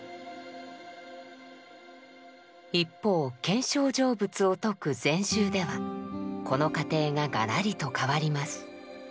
一方見性成仏を説く禅宗ではこの過程ががらりと変わります。